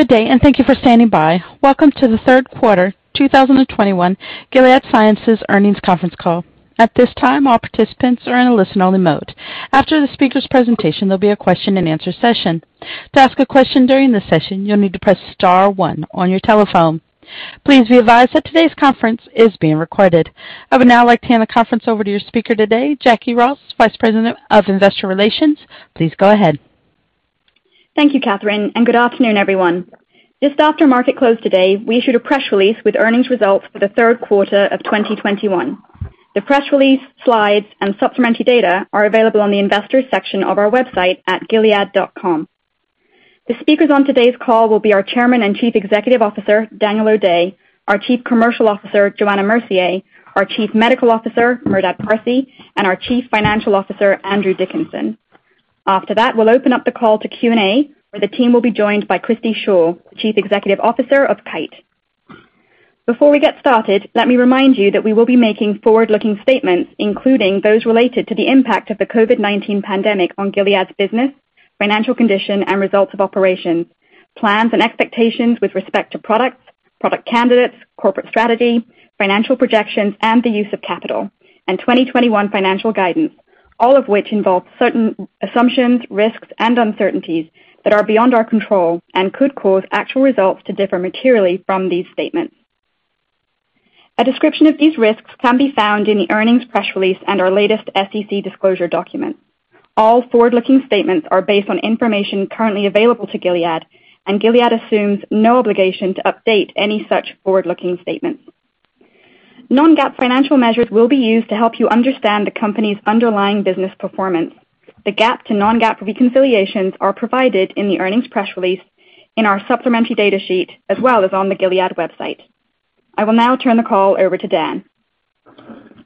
Good day, and thank you for standing by. Welcome to the Third Quarter 2021 Gilead Sciences earnings conference call. At this time, all participants are in a listen-only mode. After the speaker's presentation, there'll be a question-and-answer session. To ask a question during the session, you'll need to press star one on your telephone. Please be advised that today's conference is being recorded. I would now like to hand the conference over to your speaker today, Jacquie Ross, Vice President of Investor Relations. Please go ahead. Thank you, Catherine, and good afternoon, everyone. Just after market close today, we issued a press release with earnings results for the third quarter of 2021. The press release, slides, and supplementary data are available on the investors section of our website at gilead.com. The speakers on today's call will be our Chairman and Chief Executive Officer, Daniel O'Day, our Chief Commercial Officer, Johanna Mercier, our Chief Medical Officer, Merdad Parsey, and our Chief Financial Officer, Andrew Dickinson. After that, we'll open up the call to Q&A, where the team will be joined by Christi Shaw, Chief Executive Officer of Kite. Before we get started, let me remind you that we will be making forward-looking statements, including those related to the impact of the COVID-19 pandemic on Gilead's business, financial condition and results of operations, plans and expectations with respect to products, product candidates, corporate strategy, financial projections, and the use of capital, and 2021 financial guidance, all of which involve certain assumptions, risks, and uncertainties that are beyond our control and could cause actual results to differ materially from these statements. A description of these risks can be found in the earnings press release and our latest SEC disclosure document. All forward-looking statements are based on information currently available to Gilead, and Gilead assumes no obligation to update any such forward-looking statements. Non-GAAP financial measures will be used to help you understand the company's underlying business performance. The GAAP to non-GAAP reconciliations are provided in the earnings press release in our supplementary data sheet, as well as on the Gilead website. I will now turn the call over to Dan.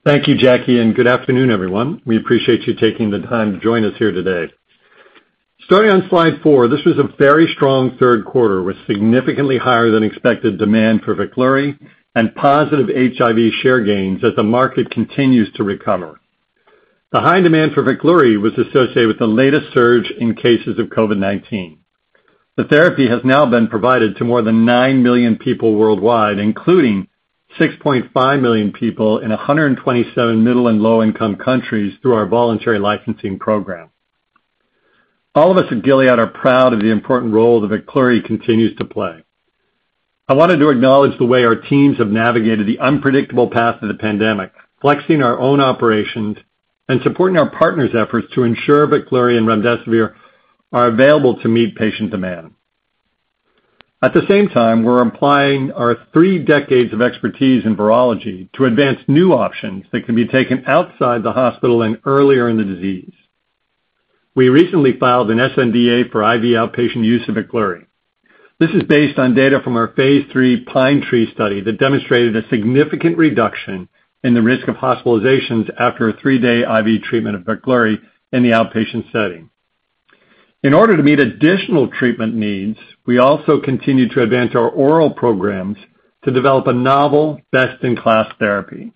Thank you, Jacquie, and good afternoon, everyone. We appreciate you taking the time to join us here today. Starting on slide four, this was a very strong third quarter with significantly higher than expected demand for Veklury and positive HIV share gains as the market continues to recover. The high demand for Veklury was associated with the latest surge in cases of COVID-19. The therapy has now been provided to more than 9 million people worldwide, including 6.5 million people in 127 middle- and low-income countries through our voluntary licensing program. All of us at Gilead are proud of the important role that Veklury continues to play. I wanted to acknowledge the way our teams have navigated the unpredictable path of the pandemic, flexing our own operations and supporting our partners' efforts to ensure Veklury and remdesivir are available to meet patient demand. At the same time, we're applying our three decades of expertise in virology to advance new options that can be taken outside the hospital and earlier in the disease. We recently filed an sNDA for IV outpatient use of Veklury. This is based on data from our phase III PINETREE study that demonstrated a significant reduction in the risk of hospitalizations after a 3-day IV treatment of Veklury in the outpatient setting. In order to meet additional treatment needs, we also continue to advance our oral programs to develop a novel best-in-class therapy.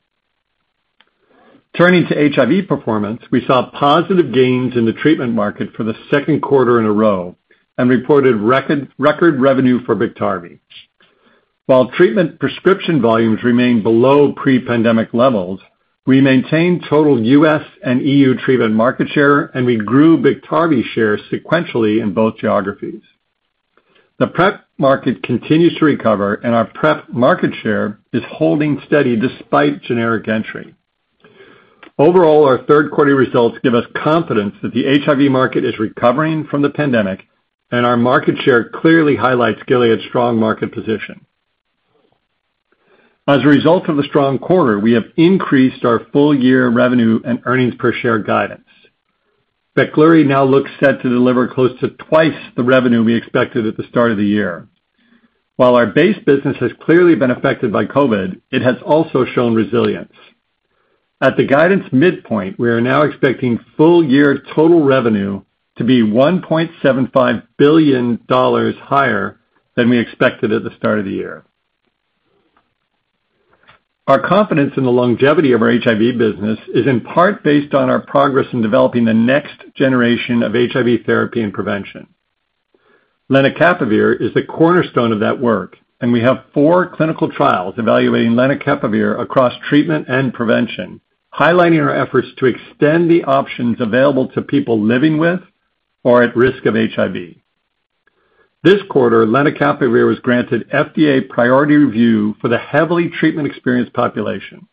Turning to HIV performance, we saw positive gains in the treatment market for the second quarter in a row and reported record revenue for Biktarvy. While treatment prescription volumes remain below pre-pandemic levels, we maintained total U.S. and EU treatment market share, and we grew Biktarvy shares sequentially in both geographies. The PrEP market continues to recover, and our PrEP market share is holding steady despite generic entry. Overall, our third quarter results give us confidence that the HIV market is recovering from the pandemic, and our market share clearly highlights Gilead's strong market position. As a result of the strong quarter, we have increased our full-year revenue and earnings per share guidance. Veklury now looks set to deliver close to twice the revenue we expected at the start of the year. While our base business has clearly been affected by COVID, it has also shown resilience. At the guidance midpoint, we are now expecting full-year total revenue to be $1.75 billion higher than we expected at the start of the year. Our confidence in the longevity of our HIV business is in part based on our progress in developing the next generation of HIV therapy and prevention. Lenacapavir is the cornerstone of that work, and we have four clinical trials evaluating lenacapavir across treatment and prevention, highlighting our efforts to extend the options available to people living with or at risk of HIV. This quarter, lenacapavir was granted FDA priority review for the heavily treatment-experienced population.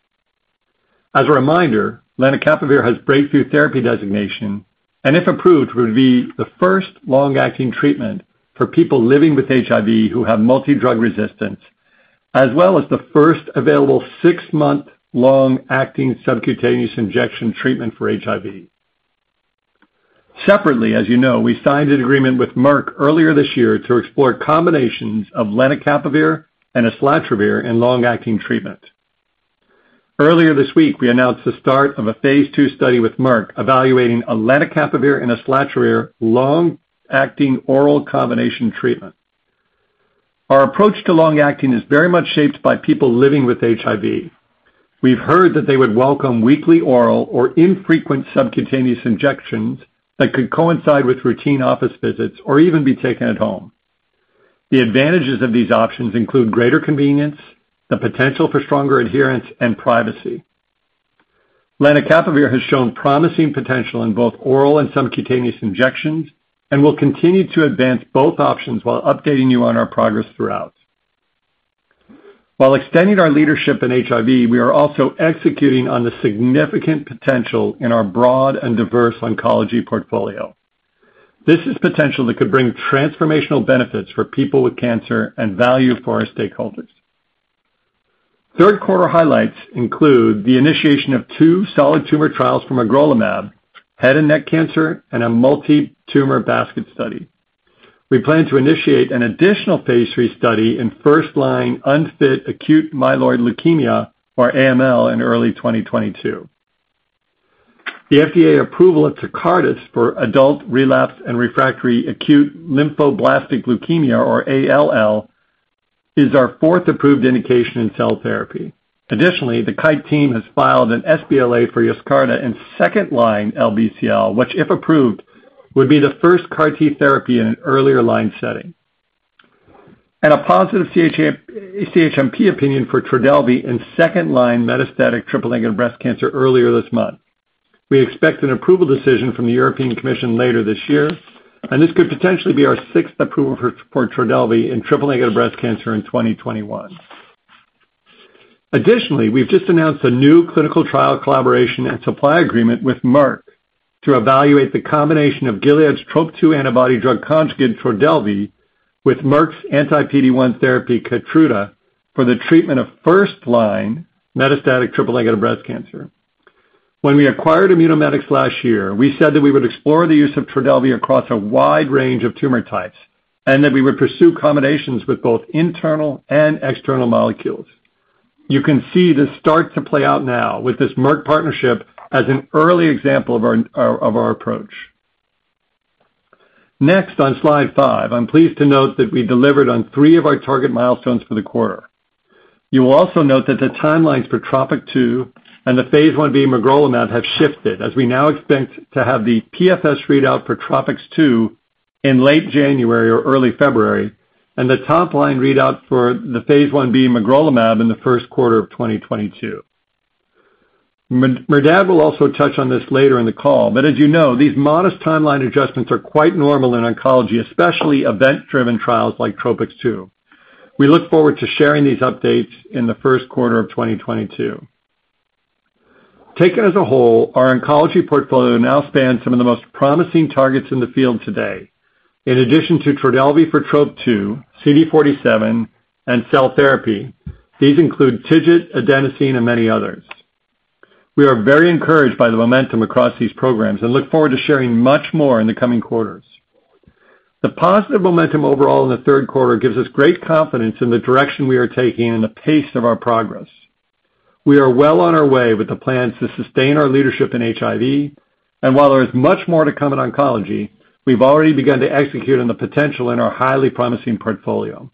As a reminder, lenacapavir has breakthrough therapy designation and, if approved, would be the first long-acting treatment for people living with HIV who have multidrug resistance, as well as the first available six-month long-acting subcutaneous injection treatment for HIV. Separately, as you know, we signed an agreement with Merck earlier this year to explore combinations of lenacapavir and islatravir in long-acting treatment. Earlier this week, we announced the start of a phase II study with Merck evaluating a lenacapavir and islatravir long-acting oral combination treatment. Our approach to long-acting is very much shaped by people living with HIV. We've heard that they would welcome weekly oral or infrequent subcutaneous injections that could coincide with routine office visits or even be taken at home. The advantages of these options include greater convenience, the potential for stronger adherence, and privacy. Lenacapavir has shown promising potential in both oral and subcutaneous injections, and we'll continue to advance both options while updating you on our progress throughout. While extending our leadership in HIV, we are also executing on the significant potential in our broad and diverse oncology portfolio. This is potential that could bring transformational benefits for people with cancer and value for our stakeholders. Third quarter highlights include the initiation of two solid tumor trials for magrolimab, head and neck cancer, and a multi-tumor basket study. We plan to initiate an additional phase III study in first-line unfit acute myeloid leukemia, or AML, in early 2022. The FDA approval of Tecartus for adult relapsed and refractory acute lymphoblastic leukemia, or ALL, is our fourth approved indication in cell therapy. Additionally, the Kite team has filed an sBLA for Yescarta in second-line LBCL, which if approved, would be the first CAR T therapy in an earlier line setting. A positive CHMP opinion for Trodelvy in second-line metastatic triple-negative breast cancer earlier this month. We expect an approval decision from the European Commission later this year, and this could potentially be our sixth approval for Trodelvy in triple-negative breast cancer in 2021. Additionally, we've just announced a new clinical trial collaboration and supply agreement with Merck to evaluate the combination of Gilead's Trop-2 antibody-drug conjugate Trodelvy with Merck's anti-PD-1 therapy, KEYTRUDA, for the treatment of first-line metastatic triple-negative breast cancer. When we acquired Immunomedics last year, we said that we would explore the use of Trodelvy across a wide range of tumor types and that we would pursue combinations with both internal and external molecules. You can see this start to play out now with this Merck partnership as an early example of our approach. Next, on slide five, I'm pleased to note that we delivered on 3 of our target milestones for the quarter. You will also note that the timelines for TROPiCS-02 and the phase Ib magrolimab have shifted, as we now expect to have the PFS readout for TROPiCS-02 in late January or early February, and the top-line readout for the phase Ib magrolimab in the first quarter of 2022. Merdad will also touch on this later in the call, but as you know, these modest timeline adjustments are quite normal in oncology, especially event-driven trials like TROPiCS-02. We look forward to sharing these updates in the first quarter of 2022. Taken as a whole, our oncology portfolio now spans some of the most promising targets in the field today. In addition to Trodelvy for TROPiCS-02, CD47, and cell therapy, these include TIGIT, adenosine, and many others. We are very encouraged by the momentum across these programs and look forward to sharing much more in the coming quarters. The positive momentum overall in the third quarter gives us great confidence in the direction we are taking and the pace of our progress. We are well on our way with the plans to sustain our leadership in HIV, and while there is much more to come in oncology, we've already begun to execute on the potential in our highly promising portfolio.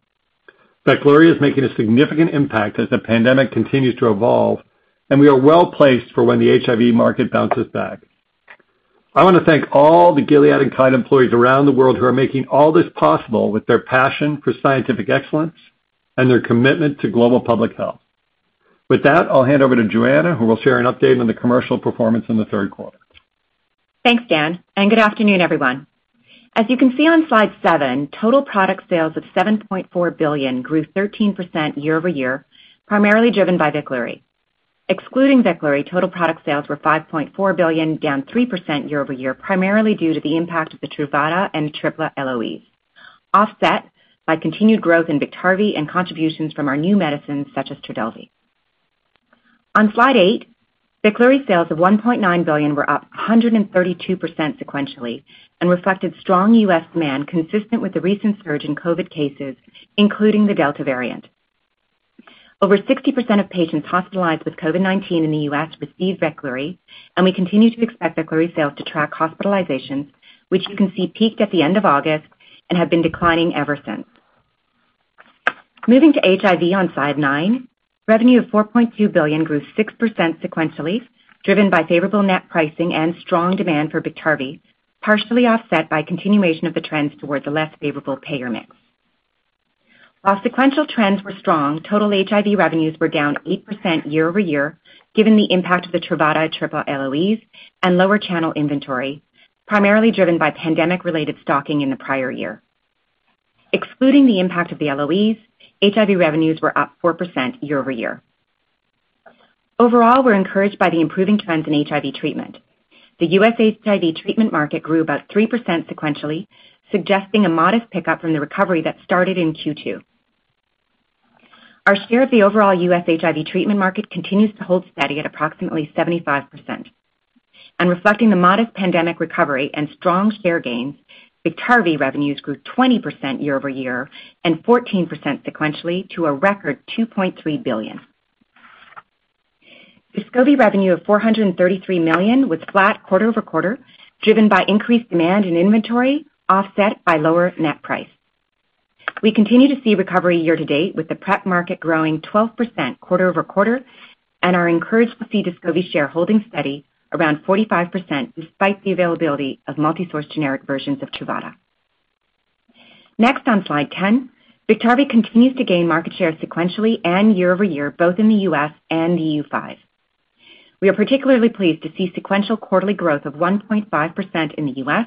Veklury is making a significant impact as the pandemic continues to evolve, and we are well-placed for when the HIV market bounces back. I wanna thank all the Gilead and Kite employees around the world who are making all this possible with their passion for scientific excellence and their commitment to global public health. With that, I'll hand over to Johanna, who will share an update on the commercial performance in the third quarter. Thanks, Dan, and good afternoon, everyone. As you can see on slide seven, total product sales of $7.4 billion grew 13% year-over-year, primarily driven by Veklury. Excluding Veklury, total product sales were $5.4 billion, down 3% year-over-year, primarily due to the impact of the Truvada and Atripla LOEs, offset by continued growth in Biktarvy and contributions from our new medicines, such as Trodelvy. On slide eight, Veklury sales of $1.9 billion were up 132% sequentially and reflected strong U.S. demand consistent with the recent surge in COVID cases, including the Delta variant. Over 60% of patients hospitalized with COVID-19 in the U.S. received Veklury, and we continue to expect Veklury sales to track hospitalizations, which you can see peaked at the end of August and have been declining ever since. Moving to HIV on slide nine, revenue of $4.2 billion grew 6% sequentially, driven by favorable net pricing and strong demand for Biktarvy, partially offset by continuation of the trends towards a less favorable payer mix. While sequential trends were strong, total HIV revenues were down 8% year-over-year, given the impact of the Truvada Atripla LOEs and lower channel inventory, primarily driven by pandemic-related stocking in the prior year. Excluding the impact of the LOEs, HIV revenues were up 4% year-over-year. Overall, we're encouraged by the improving trends in HIV treatment. The U.S. HIV treatment market grew about 3% sequentially, suggesting a modest pickup from the recovery that started in Q2. Our share of the overall U.S. HIV treatment market continues to hold steady at approximately 75%. Reflecting the modest pandemic recovery and strong share gains, Biktarvy revenues grew 20% year-over-year and 14% sequentially to a record $2.3 billion. Descovy revenue of $433 million was flat quarter-over-quarter, driven by increased demand in inventory, offset by lower net price. We continue to see recovery year to date with the PrEP market growing 12% quarter-over-quarter and are encouraged to see Descovy share holding steady around 45% despite the availability of multi-source generic versions of Truvada. Next on slide 10, Biktarvy continues to gain market share sequentially and year-over-year, both in the U.S. and the EU5. We are particularly pleased to see sequential quarterly growth of 1.5% in the U.S.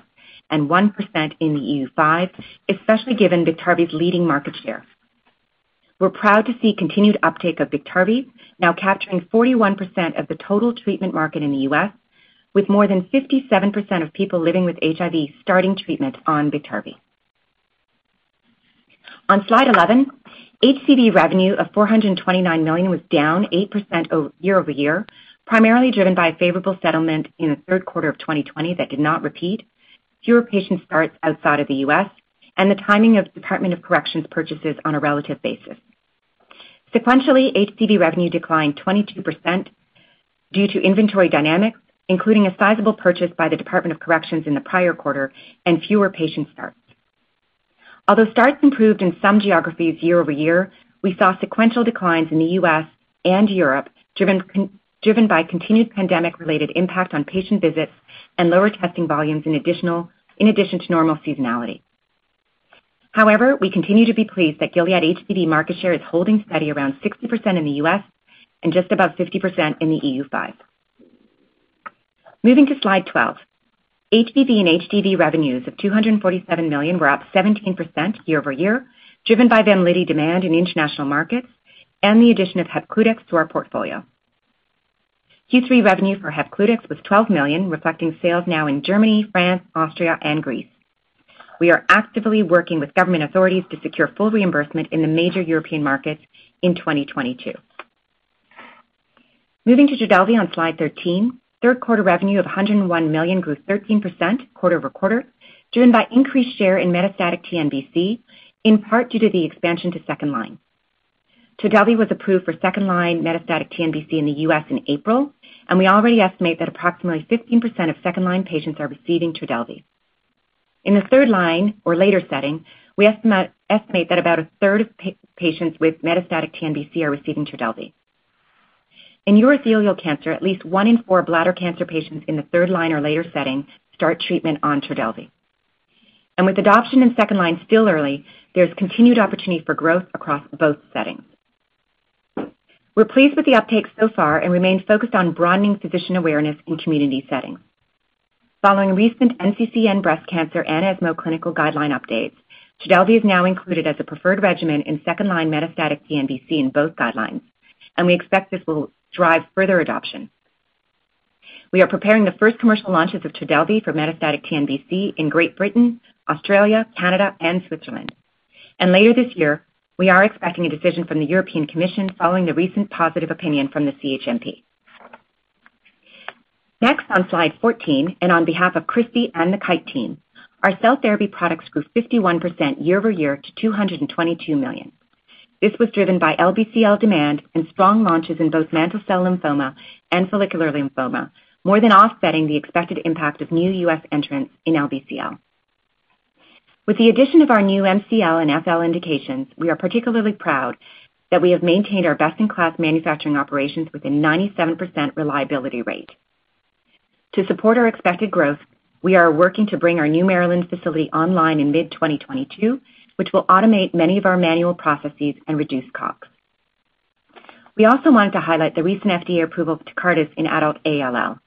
and 1% in the EU5, especially given Biktarvy's leading market share. We're proud to see continued uptake of Biktarvy now capturing 41% of the total treatment market in the U.S. with more than 57% of people living with HIV starting treatment on Biktarvy. On slide 11, HCV revenue of $429 million was down 8% year-over-year, primarily driven by a favorable settlement in the third quarter of 2020 that did not repeat, fewer patient starts outside of the U.S., and the timing of Department of Corrections purchases on a relative basis. Sequentially, HCV revenue declined 22% due to inventory dynamics, including a sizable purchase by the Department of Corrections in the prior quarter and fewer patient starts. Although starts improved in some geographies year-over-year, we saw sequential declines in the U.S. and Europe, driven by continued pandemic-related impact on patient visits and lower testing volumes in addition to normal seasonality. However, we continue to be pleased that Gilead HCV market share is holding steady around 60% in the U.S. and just above 50% in the EU5. Moving to slide 12. HBV and HDV revenues of $247 million were up 17% year-over-year, driven by VEMLIDY demand in international markets and the addition of Hepcludex to our portfolio. Q3 revenue for Hepcludex was $12 million, reflecting sales now in Germany, France, Austria and Greece. We are actively working with government authorities to secure full reimbursement in the major European markets in 2022. Moving to Trodelvy on slide 13, third quarter revenue of $101 million grew 13% quarter-over-quarter, driven by increased share in metastatic TNBC, in part due to the expansion to second line. Trodelvy was approved for second line metastatic TNBC in the U.S. in April, and we already estimate that approximately 15% of second line patients are receiving Trodelvy. In the third line or later setting, we estimate that about 1/3 of patients with metastatic TNBC are receiving Trodelvy. In urothelial cancer, at least 1 in 4 bladder cancer patients in the third line or later setting start treatment on Trodelvy. With adoption in second line still early, there's continued opportunity for growth across both settings. We're pleased with the uptake so far and remain focused on broadening physician awareness in community settings. Following recent NCCN breast cancer and ESMO clinical guideline updates, Trodelvy is now included as a preferred regimen in second-line metastatic TNBC in both guidelines, and we expect this will drive further adoption. We are preparing the first commercial launches of Trodelvy for metastatic TNBC in Great Britain, Australia, Canada and Switzerland. Later this year, we are expecting a decision from the European Commission following the recent positive opinion from the CHMP. Next on slide 14, and on behalf of Christi and the Kite team, our cell therapy products grew 51% year-over-year to $222 million. This was driven by LBCL demand and strong launches in both mantle cell lymphoma and follicular lymphoma, more than offsetting the expected impact of new U.S. entrants in LBCL. With the addition of our new MCL and FL indications, we are particularly proud that we have maintained our best-in-class manufacturing operations with a 97% reliability rate. To support our expected growth, we are working to bring our new Maryland facility online in mid-2022, which will automate many of our manual processes and reduce costs. We also wanted to highlight the recent FDA approval of Tecartus in adult ALL.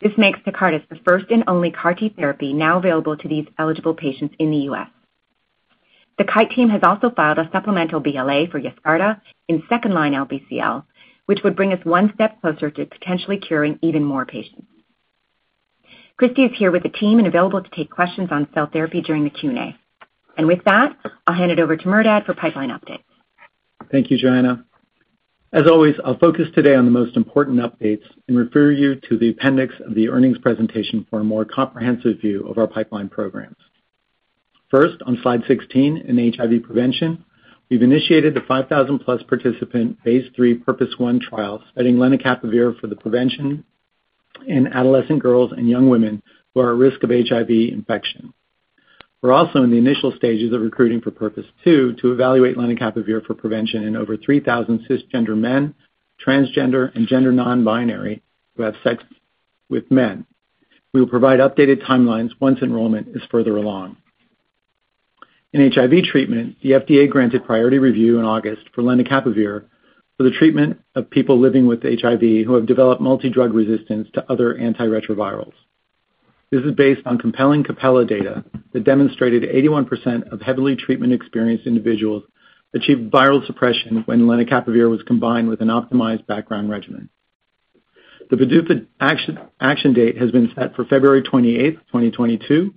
This makes Tecartus the first and only CAR T therapy now available to these eligible patients in the U.S. The Kite team has also filed a supplemental BLA for Yescarta in second-line LBCL, which would bring us one step closer to potentially curing even more patients. Christi is here with the team and available to take questions on cell therapy during the Q&A. With that, I'll hand it over to Merdad for pipeline updates. Thank you, Johanna. As always, I'll focus today on the most important updates and refer you to the appendix of the earnings presentation for a more comprehensive view of our pipeline programs. First, on slide 16, in HIV prevention, we've initiated the 5,000+ participant phase III PURPOSE 1 trial, studying lenacapavir for the prevention in adolescent girls and young women who are at risk of HIV infection. We're also in the initial stages of recruiting for PURPOSE 2 to evaluate lenacapavir for prevention in over 3,000 cisgender men, transgender and gender non-binary who have sex with men. We will provide updated timelines once enrollment is further along. In HIV treatment, the FDA granted priority review in August for lenacapavir for the treatment of people living with HIV who have developed multidrug resistance to other antiretrovirals. This is based on compelling CAPELLA data that demonstrated 81% of heavily treatment-experienced individuals achieved viral suppression when lenacapavir was combined with an optimized background regimen. The PDUFA action date has been set for February 28, 2022,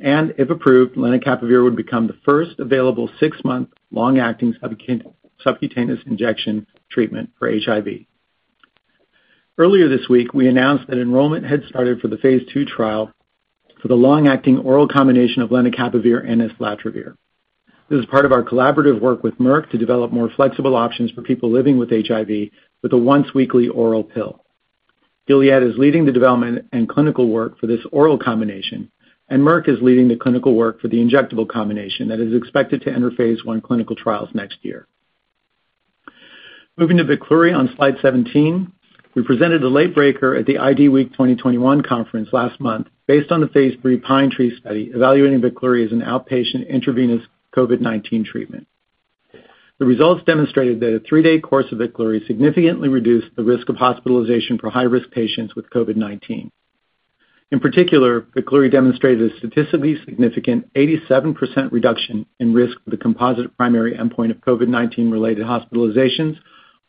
and if approved, lenacapavir would become the first available six-month long-acting subcutaneous injection treatment for HIV. Earlier this week, we announced that enrollment had started for the phase II trial for the long-acting oral combination of lenacapavir and islatravir. This is part of our collaborative work with Merck to develop more flexible options for people living with HIV with a once weekly oral pill. Gilead is leading the development and clinical work for this oral combination, and Merck is leading the clinical work for the injectable combination that is expected to enter phase I clinical trials next year. Moving to Veklury on slide 17, we presented a late-breaker at the IDWeek 2021 conference last month based on the phase III PINETREE study evaluating Veklury as an outpatient intravenous COVID-19 treatment. The results demonstrated that a 3-day course of Veklury significantly reduced the risk of hospitalization for high-risk patients with COVID-19. In particular, Veklury demonstrated a statistically significant 87% reduction in risk of the composite primary endpoint of COVID-19-related hospitalizations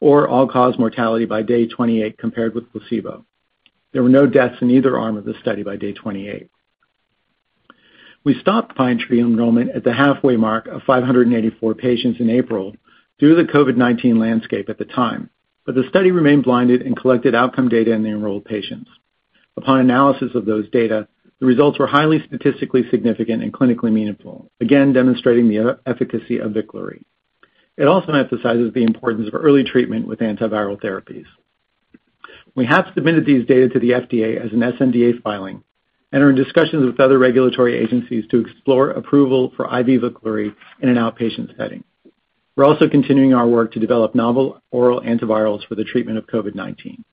or all-cause mortality by day 28 compared with placebo. There were no deaths in either arm of the study by day 28. We stopped PINETREE enrollment at the halfway mark of 584 patients in April due to the COVID-19 landscape at the time, but the study remained blinded and collected outcome data in the enrolled patients. Upon analysis of those data, the results were highly statistically significant and clinically meaningful, again demonstrating the efficacy of Veklury. It also emphasizes the importance of early treatment with antiviral therapies. We have submitted these data to the FDA as an sNDA filing and are in discussions with other regulatory agencies to explore approval for IV Veklury in an outpatient setting. We're also continuing our work to develop novel oral antivirals for the treatment of COVID-19.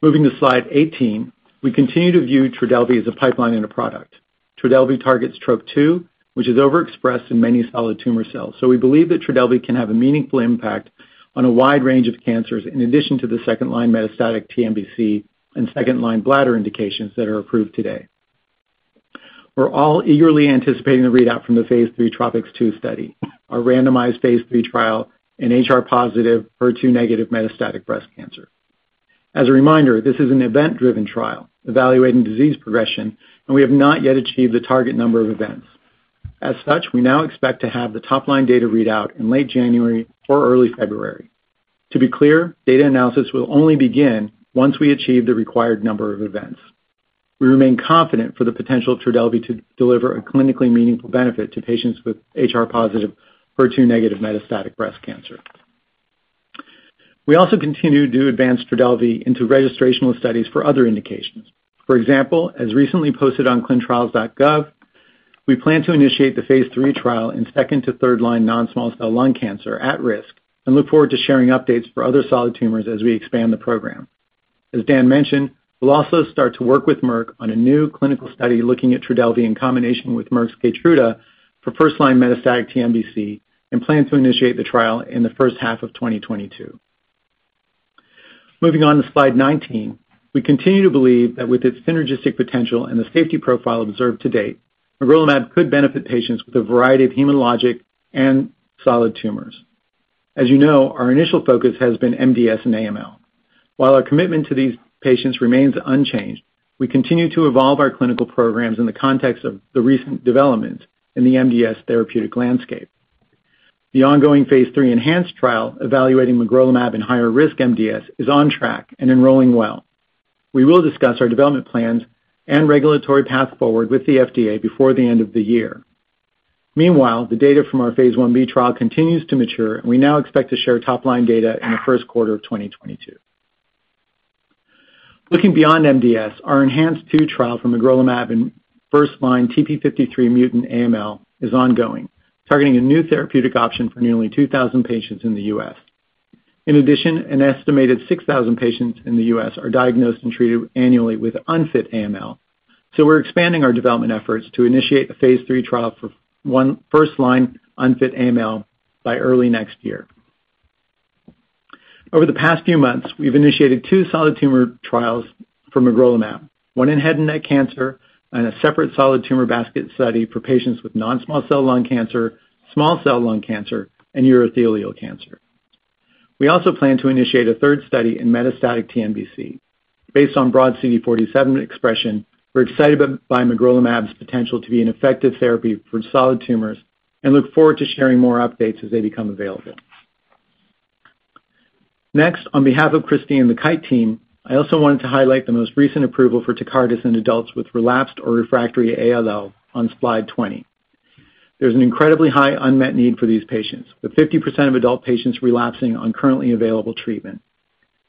Moving to slide 18, we continue to view Trodelvy as a pipeline and a product. Trodelvy targets Trop-2, which is overexpressed in many solid tumor cells, so we believe that Trodelvy can have a meaningful impact on a wide range of cancers in addition to the second-line metastatic TNBC and second-line bladder indications that are approved today. We're all eagerly anticipating the readout from the phase III TROPiCS-02 study, a randomized phase III trial in HR-positive, HER2-negative metastatic breast cancer. As a reminder, this is an event-driven trial evaluating disease progression, and we have not yet achieved the target number of events. As such, we now expect to have the top-line data readout in late January or early February. To be clear, data analysis will only begin once we achieve the required number of events. We remain confident for the potential of Trodelvy to deliver a clinically meaningful benefit to patients with HR-positive, HER2-negative metastatic breast cancer. We also continue to advance Trodelvy into registrational studies for other indications. For example, as recently posted on clinicaltrials.gov, we plan to initiate the phase III trial in second- to third-line non-small cell lung cancer at risk and look forward to sharing updates for other solid tumors as we expand the program. As Dan mentioned, we'll also start to work with Merck on a new clinical study looking at Trodelvy in combination with Merck's KEYTRUDA for first-line metastatic TNBC and plan to initiate the trial in the first half of 2022. Moving on to slide 19. We continue to believe that with its synergistic potential and the safety profile observed to date, magrolimab could benefit patients with a variety of hematologic and solid tumors. As you know, our initial focus has been MDS and AML. While our commitment to these patients remains unchanged, we continue to evolve our clinical programs in the context of the recent developments in the MDS therapeutic landscape. The ongoing phase III ENHANCE trial evaluating magrolimab in higher-risk MDS is on track and enrolling well. We will discuss our development plans and regulatory path forward with the FDA before the end of the year. Meanwhile, the data from our phase Ib trial continues to mature, and we now expect to share top-line data in the first quarter of 2022. Looking beyond MDS, our ENHANCE-2 trial for magrolimab in first-line TP53 mutant AML is ongoing, targeting a new therapeutic option for nearly 2,000 patients in the U.S. In addition, an estimated 6,000 patients in the U.S. are diagnosed and treated annually with unfit AML, so we're expanding our development efforts to initiate a phase III trial for first-line unfit AML by early next year. Over the past few months, we've initiated 2 solid tumor trials for magrolimab, one in head and neck cancer and a separate solid tumor basket study for patients with non-small cell lung cancer, small cell lung cancer, and urothelial cancer. We also plan to initiate a third study in metastatic TNBC. Based on broad CD47 expression, we're excited by magrolimab's potential to be an effective therapy for solid tumors and look forward to sharing more updates as they become available. Next, on behalf of Christi and the Kite team, I also wanted to highlight the most recent approval for Tecartus in adults with relapsed or refractory ALL on slide 20. There's an incredibly high unmet need for these patients, with 50% of adult patients relapsing on currently available treatment.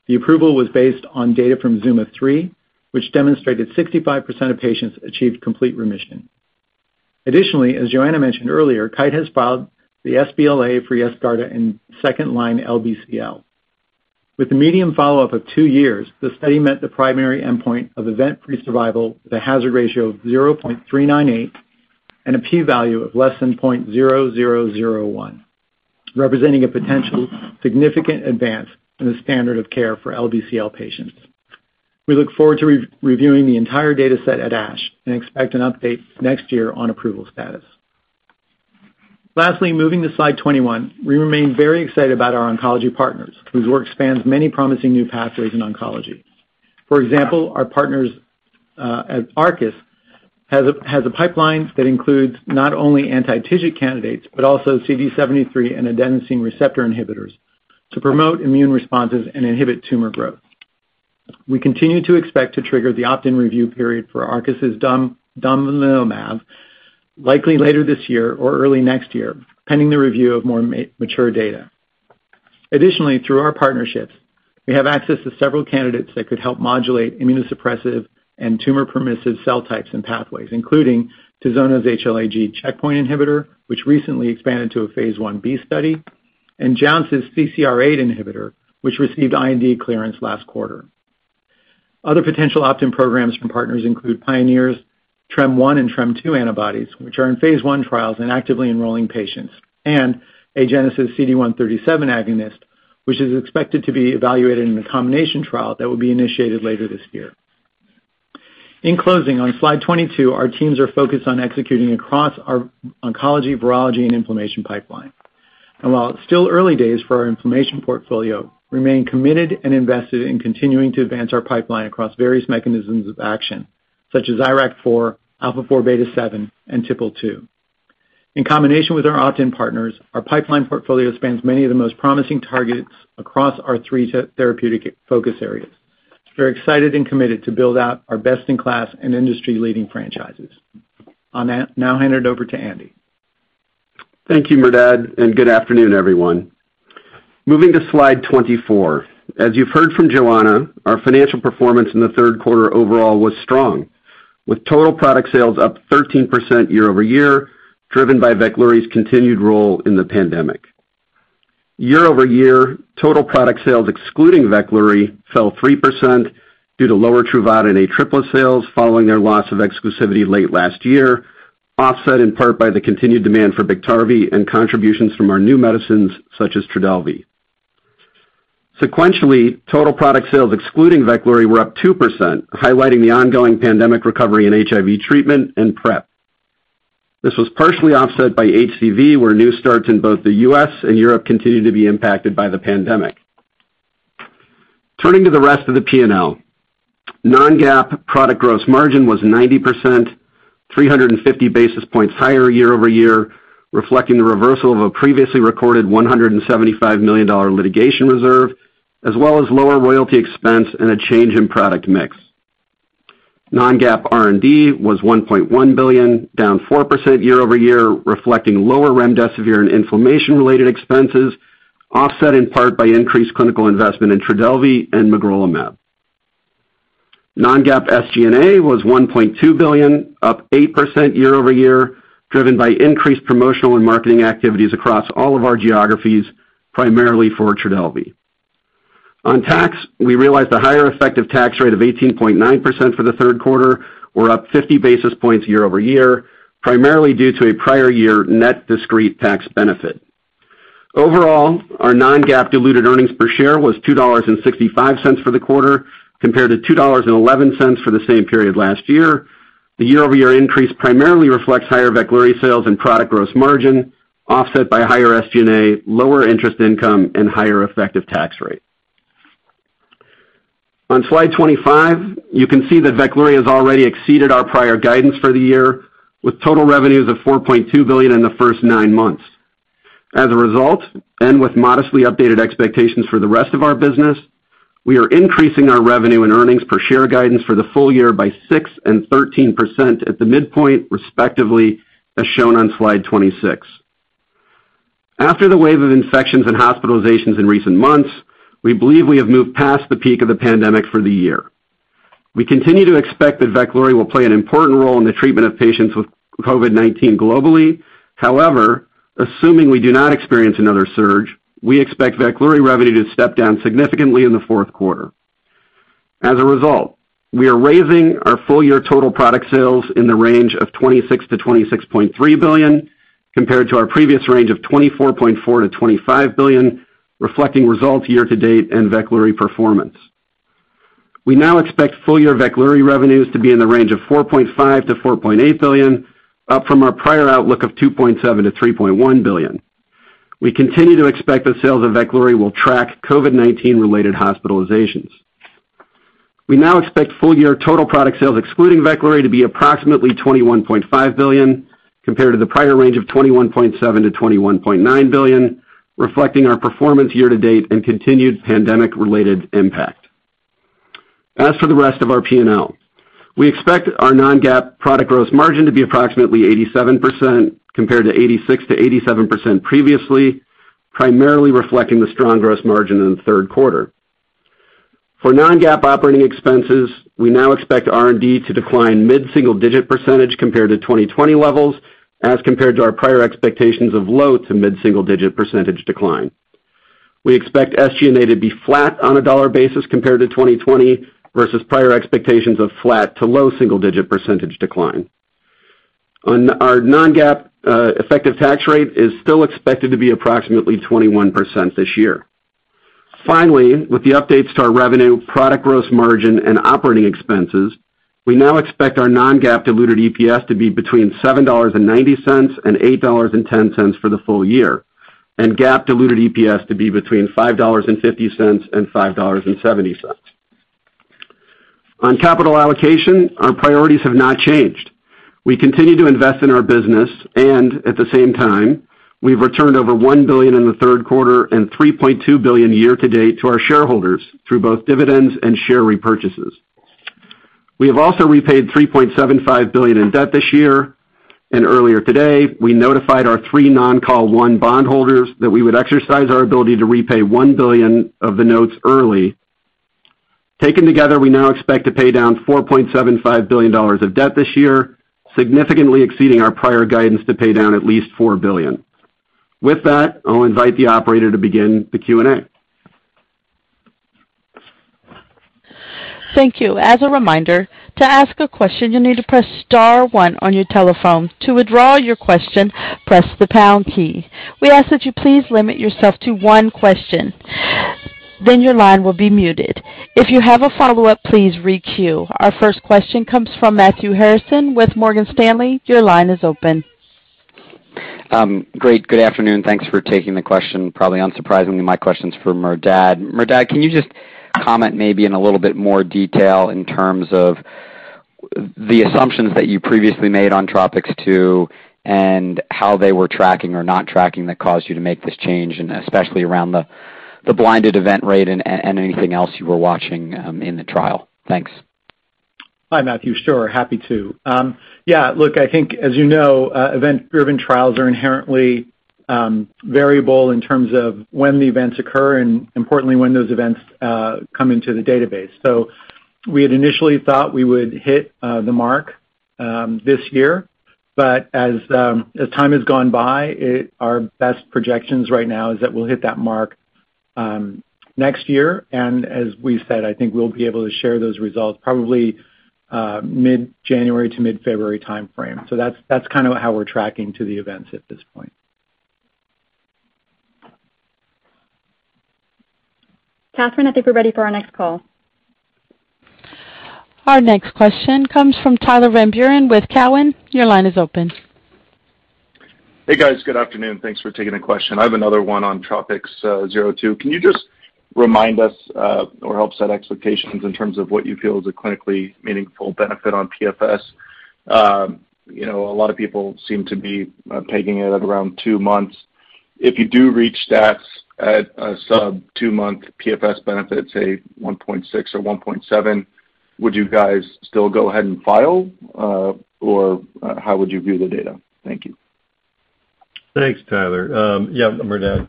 The approval was based on data from ZUMA-3, which demonstrated 65% of patients achieved complete remission. Additionally, as Johanna mentioned earlier, Kite has filed the sBLA for Yescarta in second-line LBCL. With the median follow-up of two years, the study met the primary endpoint of event-free survival with a hazard ratio of 0.398 and a P value of less than 0.0001, representing a potential significant advance in the standard of care for LBCL patients. We look forward to re-reviewing the entire data set at ASH and expect an update next year on approval status. Lastly, moving to slide 21, we remain very excited about our oncology partners, whose work spans many promising new pathways in oncology. For example, our partners at Arcus has a pipeline that includes not only anti-TIGIT candidates, but also CD73 and adenosine receptor inhibitors to promote immune responses and inhibit tumor growth. We continue to expect to trigger the opt-in review period for Arcus' domvanalimab likely later this year or early next year, pending the review of more mature data. Additionally, through our partnerships, we have access to several candidates that could help modulate immunosuppressive and tumor-permissive cell types and pathways, including Tizona's HLA-G checkpoint inhibitor, which recently expanded to a phase Ib study, and Jounce's CCR8 inhibitor, which received IND clearance last quarter. Other potential opt-in programs from partners include Pionyr's TREM-1 and TREM-2 antibodies, which are in phase I trials and actively enrolling patients, and Agenus's CD137 agonist, which is expected to be evaluated in a combination trial that will be initiated later this year. In closing, on slide 22, our teams are focused on executing across our oncology, virology and inflammation pipeline. While it's still early days for our inflammation portfolio, we remain committed and invested in continuing to advance our pipeline across various mechanisms of action, such as IRAK4, α4β7, and TPL2. In combination with our opt-in partners, our pipeline portfolio spans many of the most promising targets across our three therapeutic focus areas. We're excited and committed to build out our best-in-class and industry-leading franchises. With that, now hand it over to Andy. Thank you, Merdad, and good afternoon, everyone. Moving to slide 24. As you've heard from Johanna, our financial performance in the third quarter overall was strong, with total product sales up 13% year-over-year, driven by Veklury's continued role in the pandemic. Year-over-year, total product sales excluding Veklury fell 3% due to lower Truvada and Atripla sales following their loss of exclusivity late last year, offset in part by the continued demand for Biktarvy and contributions from our new medicines such as Trodelvy. Sequentially, total product sales excluding Veklury were up 2%, highlighting the ongoing pandemic recovery in HIV treatment and PrEP. This was partially offset by HCV, where new starts in both the U.S. and Europe continued to be impacted by the pandemic. Turning to the rest of the P&L. Non-GAAP product gross margin was 90%, 350 basis points higher year-over-year, reflecting the reversal of a previously recorded $175 million litigation reserve, as well as lower royalty expense and a change in product mix. Non-GAAP R&D was $1.1 billion, down 4% year-over-year, reflecting lower remdesivir and inflammation-related expenses, offset in part by increased clinical investment in Trodelvy and magrolimab. Non-GAAP SG&A was $1.2 billion, up 8% year-over-year, driven by increased promotional and marketing activities across all of our geographies, primarily for Trodelvy. On tax, we realized a higher effective tax rate of 18.9% for the third quarter. We're up 50 basis points year-over-year, primarily due to a prior year net discrete tax benefit. Overall, our non-GAAP diluted EPS was $2.65 for the quarter, compared to $2.11 for the same period last year. The year-over-year increase primarily reflects higher Veklury sales and product gross margin, offset by higher SG&A, lower interest income, and higher effective tax rate. On slide 25, you can see that Veklury has already exceeded our prior guidance for the year, with total revenues of $4.2 billion in the first nine months. As a result, and with modestly updated expectations for the rest of our business, we are increasing our revenue and earnings per share guidance for the full year by 6% and 13% at the midpoint, respectively, as shown on slide 26. After the wave of infections and hospitalizations in recent months, we believe we have moved past the peak of the pandemic for the year. We continue to expect that Veklury will play an important role in the treatment of patients with COVID-19 globally. However, assuming we do not experience another surge, we expect Veklury revenue to step down significantly in the fourth quarter. As a result, we are raising our full year total product sales in the range of $26 billion to $26.3 billion, compared to our previous range of $24.4 billion to $25 billion, reflecting results year to date and Veklury performance. We now expect full year Veklury revenues to be in the range of $4.5 billion to $4.8 billion, up from our prior outlook of $2.7 billion to $3.1 billion. We continue to expect the sales of Veklury will track COVID-19 related hospitalizations. We now expect full-year total product sales excluding Veklury to be approximately $21.5 billion, compared to the prior range of $21.7 billion to $21.9 billion, reflecting our performance year-to-date and continued pandemic-related impact. As for the rest of our P&L, we expect our non-GAAP product gross margin to be approximately 87% compared to 86% to 87% previously, primarily reflecting the strong gross margin in the third quarter. For non-GAAP operating expenses, we now expect R&D to decline mid-single-digit percentage compared to 2020 levels, as compared to our prior expectations of low- to mid-single-digit percentage decline. We expect SG&A to be flat on a dollar basis compared to 2020 versus prior expectations of flat to low-single-digit percentage decline. Our non-GAAP effective tax rate is still expected to be approximately 21% this year. Finally, with the updates to our revenue, product gross margin and operating expenses, we now expect our non-GAAP diluted EPS to be between $7.90 and $8.10 for the full year, and GAAP diluted EPS to be between $5.50 and $5.70. On capital allocation, our priorities have not changed. We continue to invest in our business and at the same time we've returned over $1 billion in the third quarter and $3.2 billion year to date to our shareholders through both dividends and share repurchases. We have also repaid $3.75 billion in debt this year, and earlier today, we notified our 3% non-call 1 bondholders that we would exercise our ability to repay $1 billion of the notes early. Taken together, we now expect to pay down $4.75 billion of debt this year, significantly exceeding our prior guidance to pay down at least $4 billion. With that, I'll invite the operator to begin the Q&A. Thank you. As a reminder, to ask a question, you need to press star one on your telephone. To withdraw your question, press the pound key. We ask that you please limit yourself to one question, then your line will be muted. If you have a follow-up, please re-queue. Our first question comes from Matthew Harrison with Morgan Stanley. Your line is open. Great. Good afternoon. Thanks for taking the question. Probably unsurprisingly, my question's for Merdad. Merdad, can you just comment maybe in a little bit more detail in terms of the assumptions that you previously made on TROPiCS-02 and how they were tracking or not tracking that caused you to make this change, and especially around the blinded event rate and anything else you were watching in the trial? Thanks. Hi, Matthew. Sure. Happy to. Yeah, look, I think as you know, event-driven trials are inherently variable in terms of when the events occur and importantly when those events come into the database. We had initially thought we would hit the mark this year. As time has gone by, our best projections right now is that we'll hit that mark next year. As we said, I think we'll be able to share those results probably, mid-January to mid-February timeframe. That's kind of how we're tracking to the events at this point. Catherine, I think we're ready for our next call. Our next question comes from Tyler Van Buren with Cowen. Your line is open. Hey, guys. Good afternoon. Thanks for taking the question. I have another one on TROPiCS-02. Can you just remind us or help set expectations in terms of what you feel is a clinically meaningful benefit on PFS? You know, a lot of people seem to be pegging it at around two months. If you do reach stats at a sub two-month PFS benefit, say 1.6 or 1.7, would you guys still go ahead and file or how would you view the data? Thank you. Thanks, Tyler. We do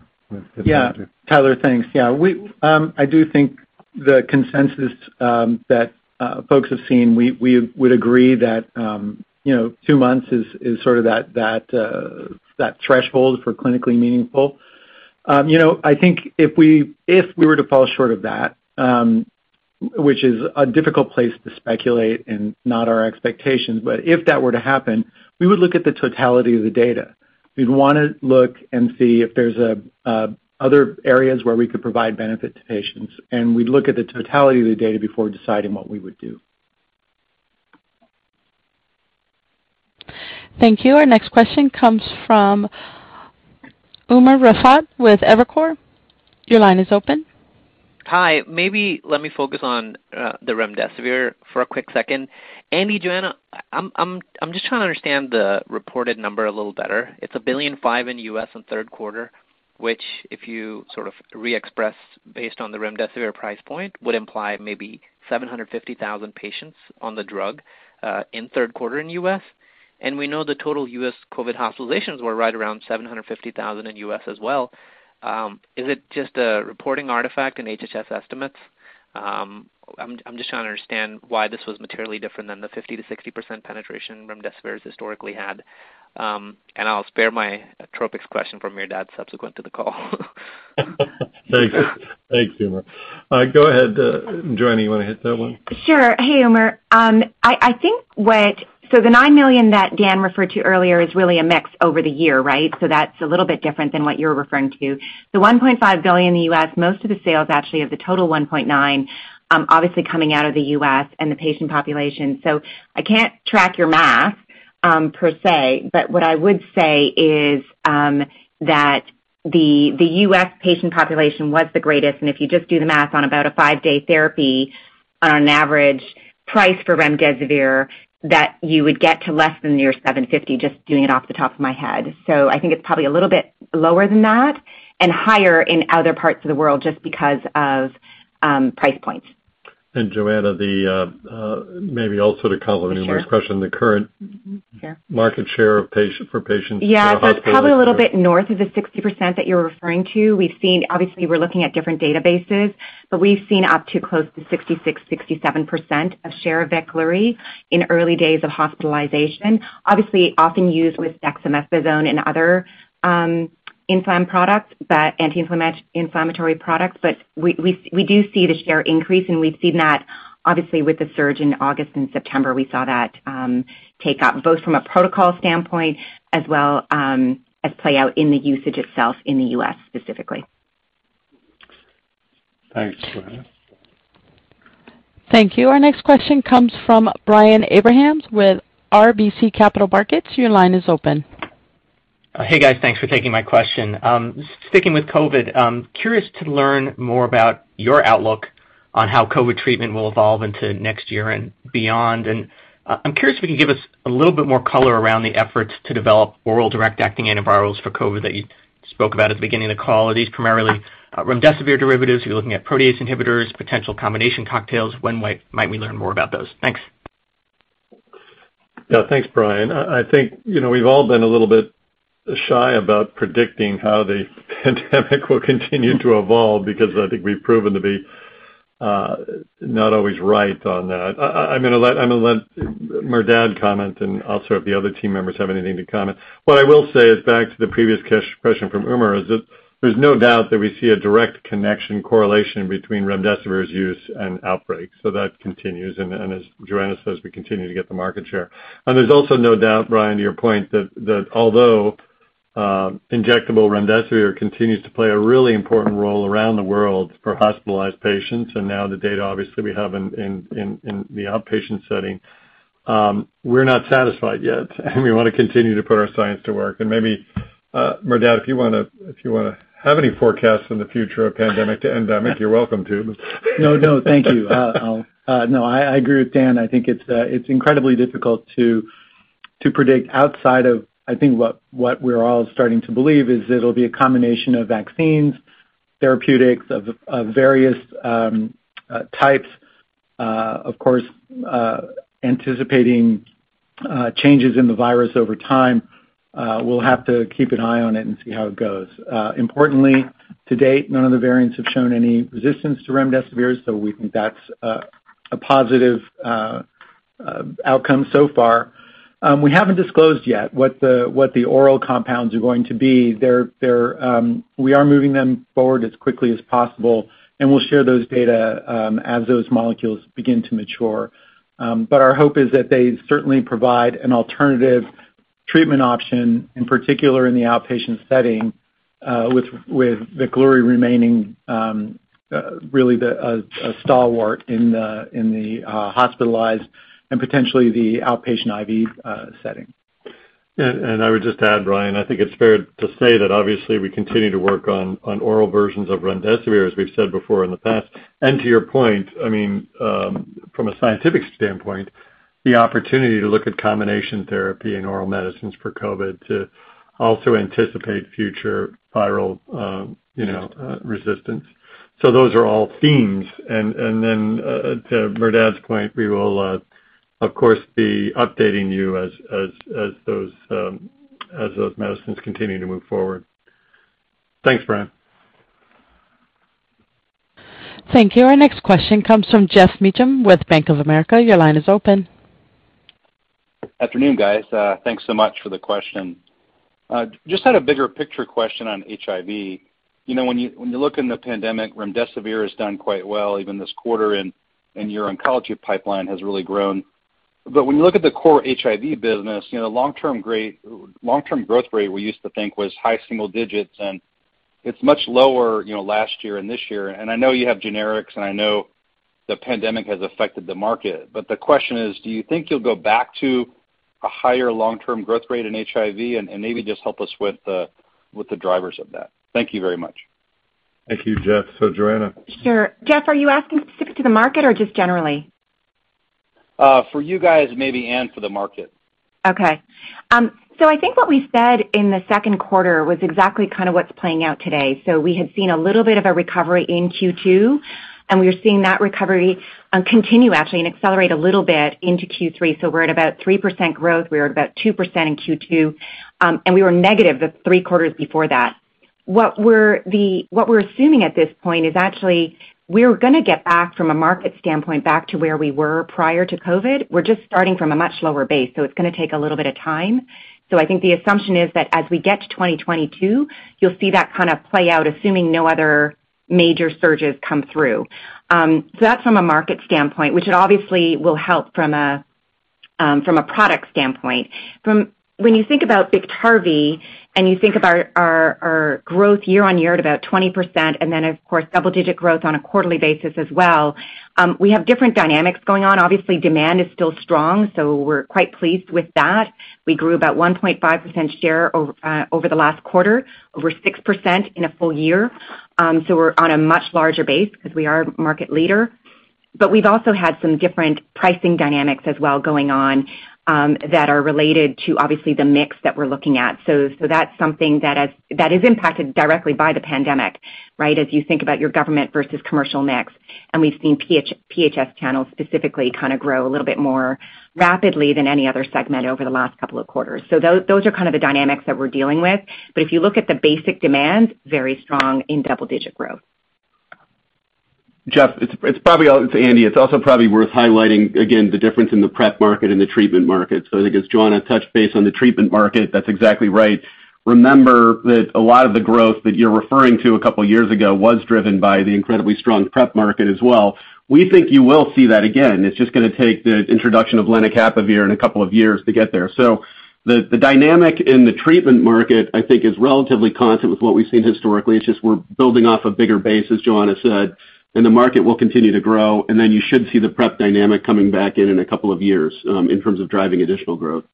think the consensus that folks have seen, we would agree that, you know, two months is sort of that threshold for clinically meaningful. You know, I think if we were to fall short of that, which is a difficult place to speculate and not our expectations, but if that were to happen, we would look at the totality of the data. We'd wanna look and see if there's other areas where we could provide benefit to patients, and we'd look at the totality of the data before deciding what we would do. Thank you. Our next question comes from Umer Raffat with Evercore. Your line is open. Hi. Maybe let me focus on the remdesivir for a quick second. Andy, Johanna, I'm just trying to understand the reported number a little better. It's $1.5 billion in U.S. in third quarter, which if you sort of reexpress based on the remdesivir price point, would imply maybe 750,000 patients on the drug in third quarter in U.S. And we know the total U.S. COVID hospitalizations were right around 750,000 in U.S. as well. Is it just a reporting artifact in HHS estimates? I'm just trying to understand why this was materially different than the 50%-60% penetration remdesivir has historically had. And I'll spare my TROPiCS question for Merdad subsequent to the call. Thanks. Thanks, Umer. Go ahead. Johanna, you wanna hit that one? Sure. Hey, Umer. I think what the 9 million that Daniel referred to earlier is really a mix over the year, right? That's a little bit different than what you're referring to. The $1.5 billion in the U.S., most of the sales actually of the total $1.9, obviously coming out of the U.S. and the patient population. I can't track your math per se, but what I would say is that the U.S. patient population was the greatest, and if you just do the math on about a 5-day therapy on an average price for remdesivir, that you would get to less than your $750, just doing it off the top of my head. I think it's probably a little bit lower than that and higher in other parts of the world just because of price points. Johanna, maybe also to follow on Umer's question Sure. The current market share of patients for hospitalization. Yeah. It's probably a little bit north of the 60% that you're referring to. We've seen. Obviously, we're looking at different databases, but we've seen up to close to 66%-67% share of Veklury in early days of hospitalization, obviously often used with dexamethasone and other inflammatory products, but anti-inflammatory products. We do see the share increase, and we've seen that obviously with the surge in August and September, we saw that take up both from a protocol standpoint as well as play out in the usage itself in the U.S. specifically. Thanks, Johanna. Thank you. Our next question comes from Brian Abrahams with RBC Capital Markets. Your line is open. Hey, guys. Thanks for taking my question. Sticking with COVID, I'm curious to learn more about your outlook on how COVID treatment will evolve into next year and beyond. I'm curious if you can give us a little bit more color around the efforts to develop oral direct acting antivirals for COVID that you- Spoke about at the beginning of the call, are these primarily remdesivir derivatives? Are you looking at protease inhibitors, potential combination cocktails? When might we learn more about those? Thanks. Yeah. Thanks, Brian. I think, you know, we've all been a little bit shy about predicting how the pandemic will continue to evolve because I think we've proven to be not always right on that. I'm gonna let Merdad comment and also if the other team members have anything to comment. What I will say is back to the previous question from Umer is that there's no doubt that we see a direct connection correlation between remdesivir's use and outbreaks, so that continues and as Johanna says, we continue to get the market share. There's also no doubt, Brian, to your point that although injectable remdesivir continues to play a really important role around the world for hospitalized patients and now the data obviously we have in the outpatient setting, we're not satisfied yet, and we wanna continue to put our science to work. Maybe, Merdad, if you wanna have any forecasts in the future of pandemic to endemic, you're welcome to. No, no. Thank you. I agree with Dan. I think it's incredibly difficult to predict outside of I think what we're all starting to believe is it'll be a combination of vaccines, therapeutics of various types. Of course, anticipating changes in the virus over time, we'll have to keep an eye on it and see how it goes. Importantly, to date, none of the variants have shown any resistance to remdesivir, so we think that's a positive outcome so far. We haven't disclosed yet what the oral compounds are going to be. We are moving them forward as quickly as possible, and we'll share those data as those molecules begin to mature. Our hope is that they certainly provide an alternative treatment option, in particular in the outpatient setting, with Veklury remaining really a stalwart in the hospitalized and potentially the outpatient IV setting. I would just add, Brian, I think it's fair to say that obviously we continue to work on oral versions of remdesivir, as we've said before in the past. To your point, I mean, from a scientific standpoint, the opportunity to look at combination therapy and oral medicines for COVID to also anticipate future viral, you know, resistance. Those are all themes. To Merdad's point, we will, of course, be updating you as those medicines continue to move forward. Thanks, Brian. Thank you. Our next question comes from Geoff Meacham with Bank of America. Your line is open. Afternoon, guys. Thanks so much for the question. Just had a bigger picture question on HIV. You know, when you look in the pandemic, remdesivir has done quite well, even this quarter, and your oncology pipeline has really grown. But when you look at the core HIV business, you know, long-term growth rate we used to think was high single digits%, and it's much lower, you know, last year and this year. I know you have generics and I know the pandemic has affected the market, but the question is, do you think you'll go back to a higher long-term growth rate in HIV? Maybe just help us with the drivers of that. Thank you very much. Thank you, Geoff. Joanna. Sure. Jeff, are you asking specific to the market or just generally? for you guys maybe, and for the market. Okay. I think what we said in the second quarter was exactly kind of what's playing out today. We had seen a little bit of a recovery in Q2, and we are seeing that recovery continue actually and accelerate a little bit into Q3. We're at about 3% growth. We were at about 2% in Q2, and we were negative the three quarters before that. What we're assuming at this point is actually we're gonna get back from a market standpoint back to where we were prior to COVID. We're just starting from a much lower base, so it's gonna take a little bit of time. I think the assumption is that as we get to 2022, you'll see that kind of play out, assuming no other major surges come through. That's from a market standpoint, which it obviously will help from a product standpoint. When you think about Biktarvy and you think about our growth year-on-year at about 20% and then, of course, double-digit growth on a quarterly basis as well, we have different dynamics going on. Obviously, demand is still strong, so we're quite pleased with that. We grew about 1.5% share over the last quarter, over 6% in a full year. We're on a much larger base because we are market leader. We've also had some different pricing dynamics as well going on that are related to obviously the mix that we're looking at. So that's something that is impacted directly by the pandemic, right? As you think about your government versus commercial mix, and we've seen PHS channels specifically kind of grow a little bit more rapidly than any other segment over the last couple of quarters. Those are kind of the dynamics that we're dealing with. If you look at the basic demand, very strong in double-digit growth. Jeff, it's Andy. It's also probably worth highlighting again the difference in the PrEP market and the treatment market. I think as Johanna touched base on the treatment market, that's exactly right. Remember that a lot of the growth that you're referring to a couple of years ago was driven by the incredibly strong PrEP market as well. We think you will see that again. It's just gonna take the introduction of lenacapavir in a couple of years to get there. The dynamic in the treatment market, I think, is relatively constant with what we've seen historically. It's just we're building off a bigger base, as Johanna said, and the market will continue to grow, and then you should see the PrEP dynamic coming back in a couple of years in terms of driving additional growth.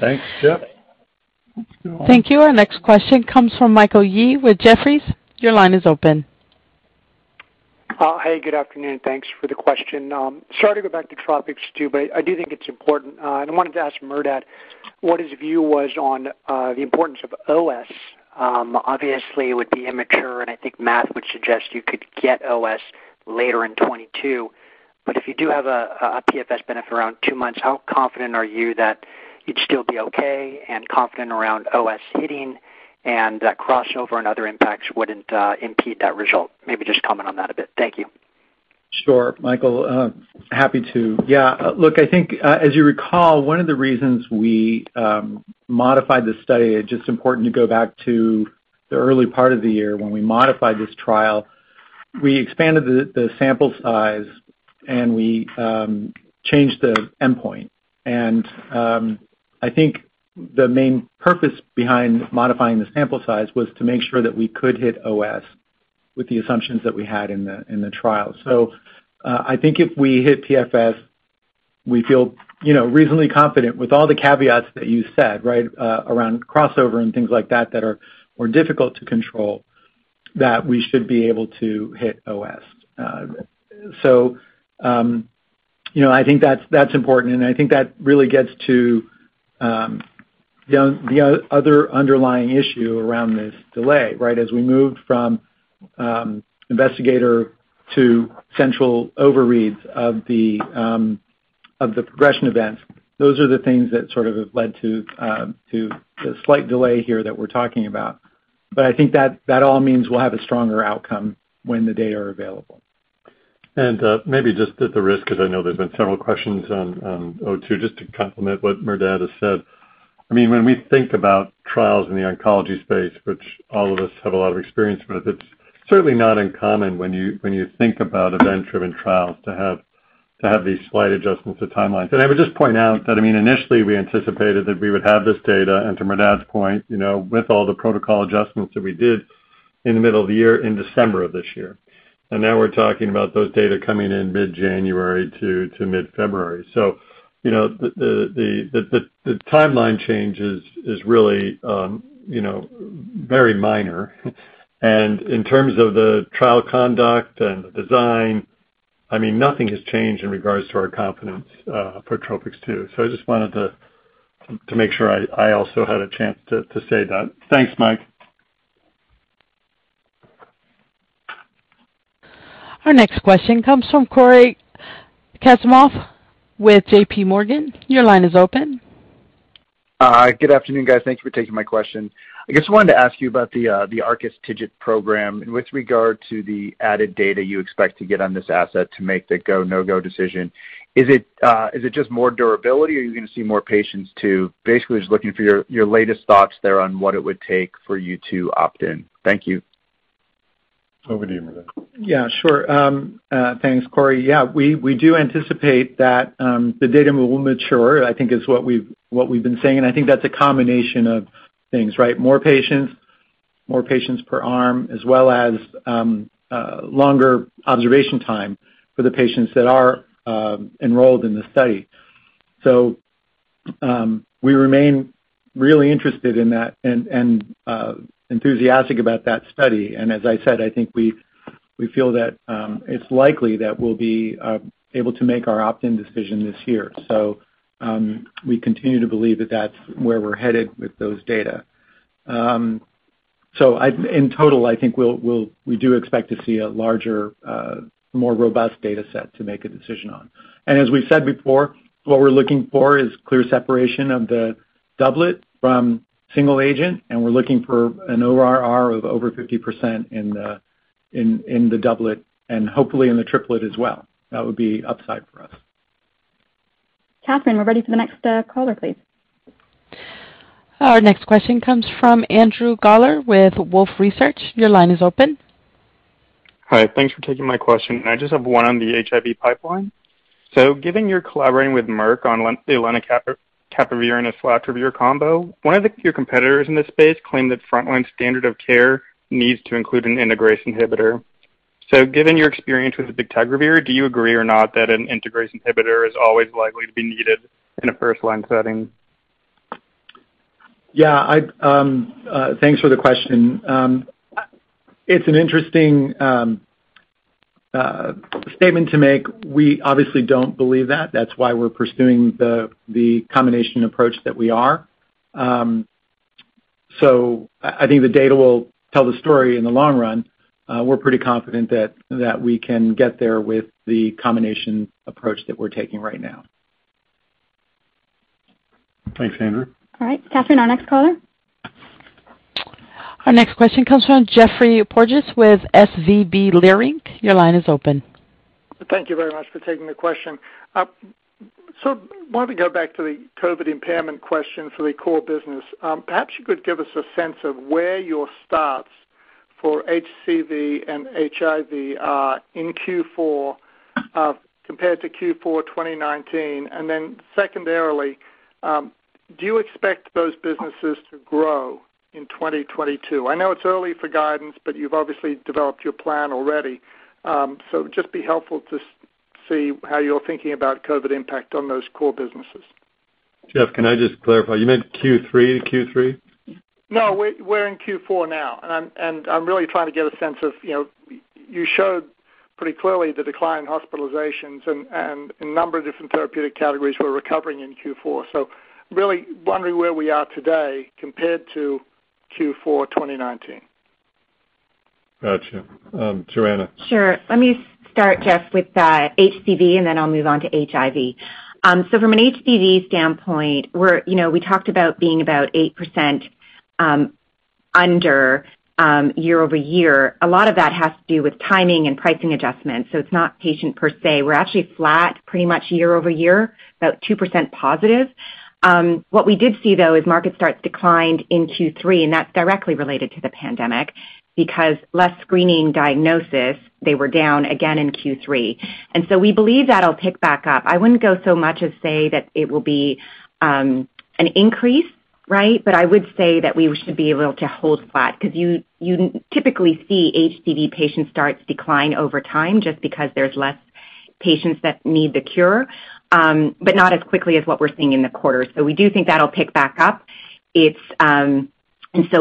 Thanks, Jeff. Thank you. Our next question comes from Michael Yee with Jefferies. Your line is open. Hey, good afternoon. Thanks for the question. Sorry to go back to TROPiCS-02, but I do think it's important. I wanted to ask Merdad what his view was on the importance of OS. Obviously it would be immature, and I think Matt would suggest you could get OS later in 2022. If you do have a PFS benefit around 2 months, how confident are you that you'd still be okay and confident around OS hitting and that crossover and other impacts wouldn't impede that result? Maybe just comment on that a bit. Thank you. Sure, Michael. Happy to. Yeah, look, I think, as you recall, one of the reasons we modified this study. It's just important to go back to the early part of the year when we modified this trial. We expanded the sample size, and we changed the endpoint. I think the main purpose behind modifying the sample size was to make sure that we could hit OS with the assumptions that we had in the trial. I think if we hit PFS, we feel, you know, reasonably confident with all the caveats that you said, right, around crossover and things like that that are more difficult to control, that we should be able to hit OS. You know, I think that's important, and I think that really gets to the other underlying issue around this delay, right? As we moved from investigator to central overreads of the progression events, those are the things that sort of have led to the slight delay here that we're talking about. I think that all means we'll have a stronger outcome when the data are available. Maybe just at the risk, cause I know there's been several questions on O2, just to complement what Merdad has said. I mean, when we think about trials in the oncology space, which all of us have a lot of experience with, it's certainly not uncommon when you think about event-driven trials to have these slight adjustments to timelines. I would just point out that, I mean, initially we anticipated that we would have this data, and to Merdad's point, you know, with all the protocol adjustments that we did in the middle of the year in December of this year. Now we're talking about those data coming in mid-January to mid-February. You know, the timeline change is really, you know, very minor. In terms of the trial conduct and the design, I mean, nothing has changed in regards to our confidence for TROPiCS-02. I just wanted to make sure I also had a chance to say that. Thanks, Mike. Our next question comes from Cory Kasimov with J.P. Morgan. Your line is open. Good afternoon, guys. Thank you for taking my question. I just wanted to ask you about the Arcus TIGIT program with regard to the added data you expect to get on this asset to make the go, no-go decision. Is it just more durability, or are you gonna see more patients too? Basically, just looking for your latest thoughts there on what it would take for you to opt in. Thank you. Over to you, Merdad. Yeah, sure. Thanks, Cory. Yeah, we do anticipate that the data will mature. I think is what we've been saying, and I think that's a combination of things, right? More patients per arm, as well as longer observation time for the patients that are enrolled in the study. We remain really interested in that and enthusiastic about that study. As I said, I think we feel that it's likely that we'll be able to make our opt-in decision this year. We continue to believe that that's where we're headed with those data. In total, I think we do expect to see a larger, more robust data set to make a decision on. as we've said before, what we're looking for is clear separation of the doublet from single agent, and we're looking for an ORR of over 50% in the doublet and hopefully in the triplet as well. That would be upside for us. Catherine, we're ready for the next caller, please. Our next question comes from Andrew Galler with Wolfe Research. Your line is open. Hi. Thanks for taking my question. I just have one on the HIV pipeline. Given you're collaborating with Merck on lenacapavir and islatravir combo, one of your competitors in this space claim that frontline standard of care needs to include an integrase inhibitor. Given your experience with the bictegravir, do you agree or not that an integrase inhibitor is always likely to be needed in a first-line setting? Yeah. Thanks for the question. It's an interesting statement to make. We obviously don't believe that. That's why we're pursuing the combination approach that we are. I think the data will tell the story in the long run. We're pretty confident that we can get there with the combination approach that we're taking right now. Thanks, Andrew. All right. Catherine, our next caller. Our next question comes from Geoffrey Porges with SVB Leerink. Your line is open. Thank you very much for taking the question. Wanted to go back to the COVID impairment question for the core business. Perhaps you could give us a sense of where your starts for HCV and HIV are in Q4, compared to Q4 2019. Secondarily, do you expect those businesses to grow in 2022? I know it's early for guidance, but you've obviously developed your plan already. It'd just be helpful to see how you're thinking about COVID impact on those core businesses. Jeff, can I just clarify, you meant Q3 to Q3? No, we're in Q4 now, and I'm really trying to get a sense of, you know, you showed pretty clearly the decline in hospitalizations and a number of different therapeutic categories were recovering in Q4. Really wondering where we are today compared to Q4 2019. Gotcha. Johanna. Sure. Let me start, Jeff, with HCV, and then I'll move on to HIV. So from an HCV standpoint, we're, you know, we talked about being about 8% under year-over-year. A lot of that has to do with timing and pricing adjustments, so it's not patient per se. We're actually flat pretty much year-over-year, about 2% positive. What we did see, though, is market starts declined in Q3, and that's directly related to the pandemic because less screening diagnosis, they were down again in Q3. We believe that'll pick back up. I wouldn't go so much as say that it will be an increase, right? I would say that we should be able to hold flat cause you typically see HCV patient starts decline over time just because there's less patients that need the cure, but not as quickly as what we're seeing in the quarter. We do think that'll pick back up. It's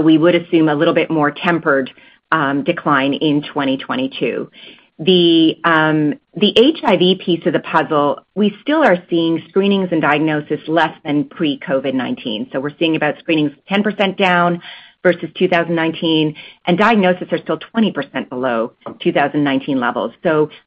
we would assume a little bit more tempered decline in 2022. The HIV piece of the puzzle, we still are seeing screenings and diagnosis less than pre-COVID-19. We're seeing about screenings 10% down versus 2019, and diagnosis are still 20% below 2019 levels.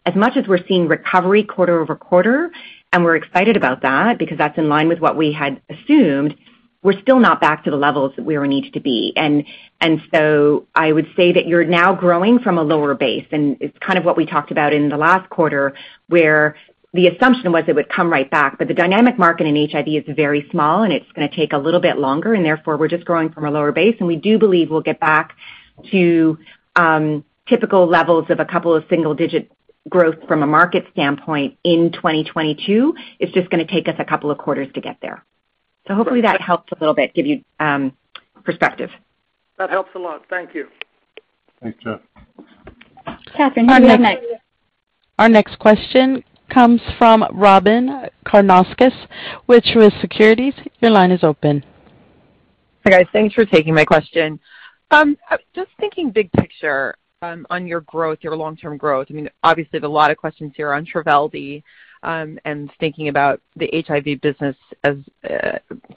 As much as we're seeing recovery quarter-over-quarter, and we're excited about that because that's in line with what we had assumed, we're still not back to the levels that we were needed to be. I would say that you're now growing from a lower base, and it's kind of what we talked about in the last quarter, where the assumption was it would come right back. The dynamic market in HIV is very small, and it's gonna take a little bit longer, and therefore, we're just growing from a lower base. We do believe we'll get back to typical levels of a couple of single-digit growth from a market standpoint in 2022. It's just gonna take us a couple of quarters to get there. Hopefully that helps a little bit give you perspective. That helps a lot. Thank you. Thanks, Geoff. Catherine, who do we have next? Our next question comes from Robyn Karnauskas with Truist Securities. Your line is open. Hi, guys. Thanks for taking my question. Just thinking big picture, on your growth, your long-term growth. I mean, obviously, there's a lot of questions here on Trodelvy, and thinking about the HIV business as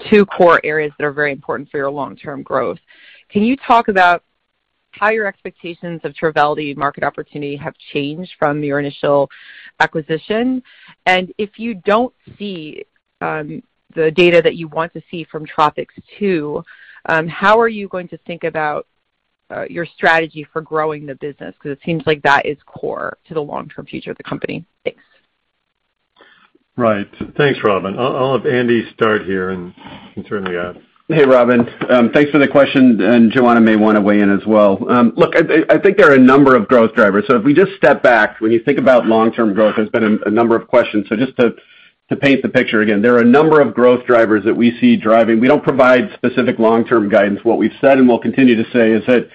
two core areas that are very important for your long-term growth. Can you talk about how your expectations of Trodelvy market opportunity have changed from your initial acquisition? If you don't see the data that you want to see from TROPiCS-02, how are you going to think about your strategy for growing the business? Cause it seems like that is core to the long-term future of the company. Thanks. Right. Thanks, Robyn. I'll have Andy start here and can turn to you. Hey, Robyn. Thanks for the question, and Johanna may wanna weigh in as well. Look, I think there are a number of growth drivers. If we just step back, when you think about long-term growth, there's been a number of questions. Just to paint the picture, again, there are a number of growth drivers that we see driving. We don't provide specific long-term guidance. What we've said and will continue to say is that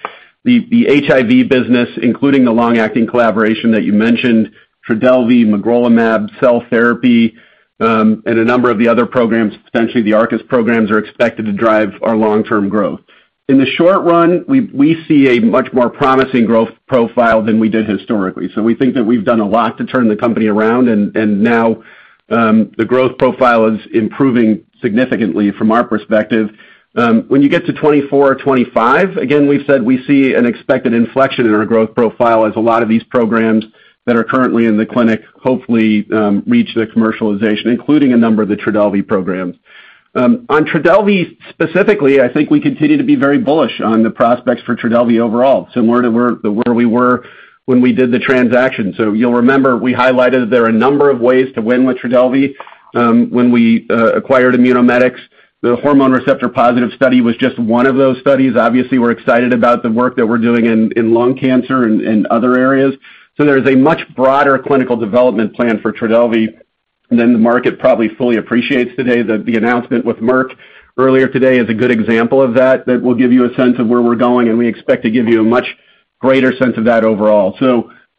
the HIV business, including the long-acting collaboration that you mentioned, Trodelvy, magrolimab, cell therapy, and a number of the other programs, potentially the Arcus programs, are expected to drive our long-term growth. In the short run, we see a much more promising growth profile than we did historically. We think that we've done a lot to turn the company around and now the growth profile is improving significantly from our perspective. When you get to 2024 or 2025, again, we've said we see an expected inflection in our growth profile as a lot of these programs that are currently in the clinic hopefully reach the commercialization, including a number of the Trodelvy programs. On Trodelvy specifically, I think we continue to be very bullish on the prospects for Trodelvy overall, similar to where we were when we did the transaction. You'll remember we highlighted there are a number of ways to win with Trodelvy when we acquired Immunomedics. The hormone receptor-positive study was just one of those studies. Obviously, we're excited about the work that we're doing in lung cancer and other areas. There's a much broader clinical development plan for Trodelvy than the market probably fully appreciates today. The announcement with Merck earlier today is a good example of that that will give you a sense of where we're going, and we expect to give you a much greater sense of that overall.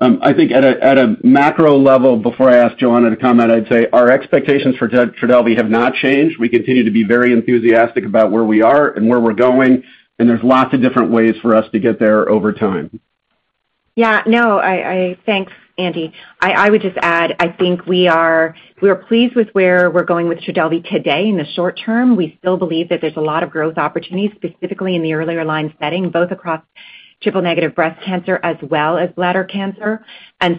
I think at a macro level, before I ask Johanna to comment, I'd say our expectations for Trodelvy have not changed. We continue to be very enthusiastic about where we are and where we're going, and there's lots of different ways for us to get there over time. Yeah, no. Thanks, Andy. I would just add, I think we are pleased with where we're going with Trodelvy today in the short term. We still believe that there's a lot of growth opportunities, specifically in the earlier line setting, both across triple negative breast cancer as well as bladder cancer.